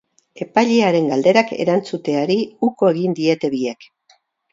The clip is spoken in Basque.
Epailearen galderak erantzuteari uko egin diete biek.